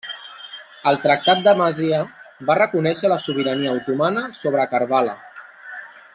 El tractat d'Amasya va reconèixer la sobirania otomana sobre Karbala.